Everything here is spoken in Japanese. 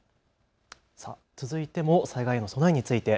続いても災害の備えについて。